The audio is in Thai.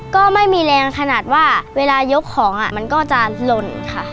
ก็ไม่มีแรงขนาดว่าเวลายกของมันก็จะหล่นค่ะ